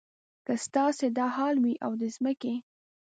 که ستاسې دا حال وي او د ځمکې.